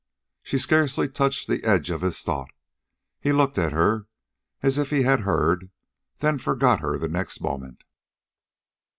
She scarcely touched the edge of his thought. He looked at her, as if he had heard, then forgot her the next moment.